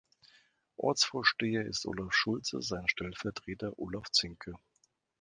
Ortsvorsteher ist Olaf Schulze, sein Stellvertreter Olaf Zinke.